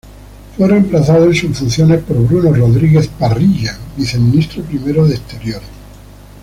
Fue reemplazado en sus funciones por Bruno Rodríguez Parrilla, viceministro primero de exteriores.